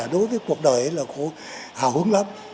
đối với cuộc đời là cô hào hứng lắm